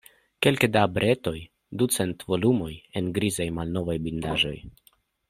Kelke da bretoj, ducent volumoj en grizaj, malnovaj bindaĵoj.